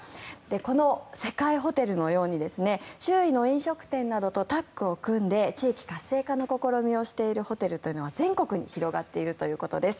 このＳＥＫＡＩＨＯＴＥＬのように周囲の飲食店などとタッグを組んで地域活性化の試みをしているホテルというのは全国に広がっているということです。